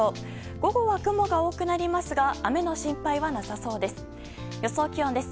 午後は雲が多くなりますが雨の心配はなさそうです。